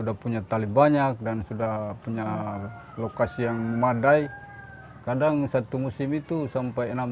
lebih banyak dan sudah punya lokasi yang memadai kadang satu musim itu sampai enam